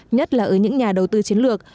nhất là ở những nhà đầu tư chiến lược